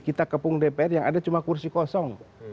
kita kepung dpr yang ada cuma kursi kosong